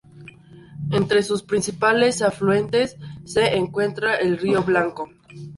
Entre sus principales afluentes se encuentra el río Blanco.